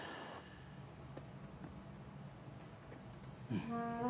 うん。